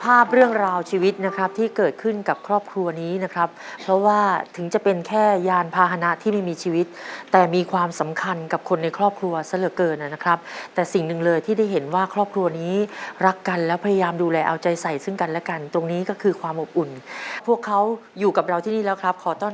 ภาพเรื่องราวชีวิตนะครับที่เกิดขึ้นกับครอบครัวนี้นะครับเพราะว่าถึงจะเป็นแค่ยานพาหนะที่ไม่มีชีวิตแต่มีความสำคัญกับคนในครอบครัวซะเหลือเกินนะครับแต่สิ่งหนึ่งเลยที่ได้เห็นว่าครอบครัวนี้รักกันแล้วพยายามดูแลเอาใจใส่ซึ่งกันและกันตรงนี้ก็คือความอบอุ่นพวกเขาอยู่กับเราที่นี่แล้วครับขอต้อน